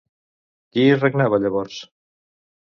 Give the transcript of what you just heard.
Qui hi regnava llavors?